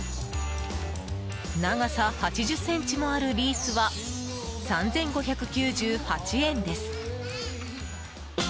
長さ８０ｃｍもあるリースは３５９８円です。